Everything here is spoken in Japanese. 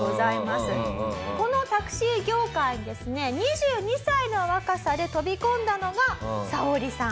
このタクシー業界にですね２２歳の若さで飛び込んだのがサオリさん。